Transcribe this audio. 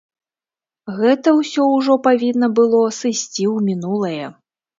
Гэта ўсё ўжо павінна было сысці ў мінулае.